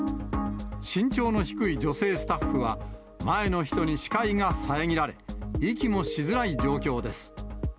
身長の低い女性スタッフは、前の人に視界が遮られ、息もしづらい状況です。